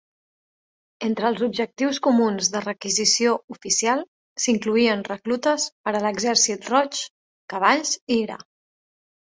Entre els objectius comuns de requisició oficial, s'incloïen reclutes per a l'Exèrcit Roig, cavalls i gra.